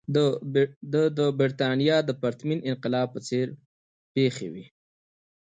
دا د برېټانیا د پرتمین انقلاب په څېر پېښې وې.